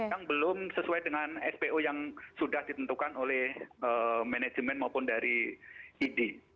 yang belum sesuai dengan spo yang sudah ditentukan oleh manajemen maupun dari id